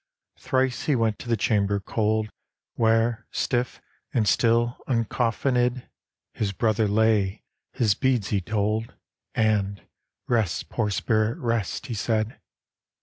Thrice he went to the chamber cold Where, stiff and still uncofiined His brother lay, his beads he told. And " Rest, poor spirit, rest," he said.